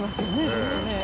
ずっとね。